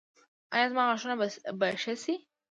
ایا زما غاښونه به ښه شي؟